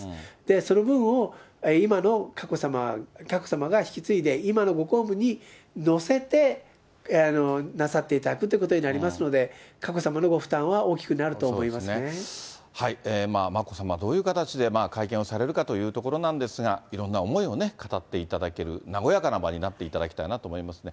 その分を、今の佳子さまが引き継いで、今のご公務にのせて、なさっていただくということになりますので、佳子さまのご負担は眞子さま、どういう形で会見をされるかというところなんですが、いろんな思いを語っていただける和やかな場になっていただきたいなと思いますね。